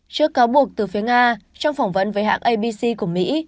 trước cáo buộc từ phía nga trong phỏng vấn với hãng abc của mỹ